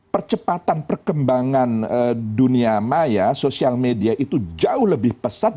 percepatan perkembangan dunia maya sosial media itu jauh lebih pesat